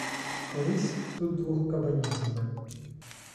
Колись, ту двох кабанів забив.